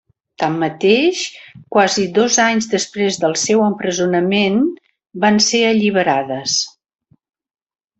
Tanmateix, quasi dos anys després del seu empresonament, van ser alliberades.